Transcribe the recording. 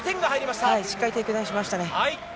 しっかり出しましたね。